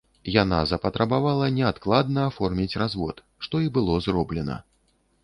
Яна запатрабавала неадкладна аформіць развод, што і было зроблена.